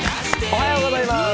おはようございます。